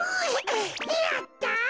やった！